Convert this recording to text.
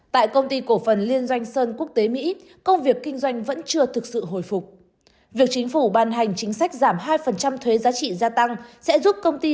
tại công ty cổ phần liên doanh sơn quốc tế mỹ công việc kinh doanh vẫn chưa thực sự hồi phục